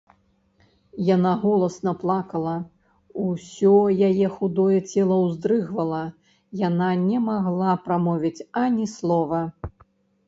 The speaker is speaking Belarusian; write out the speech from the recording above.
Яна голасна плакала, усё яе худое цела ўздрыгвала, яна не магла прамовіць ані слова.